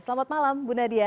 selamat malam bu nadia